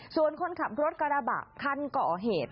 ส่วนคนขับรถกระบะคันก่อเหตุ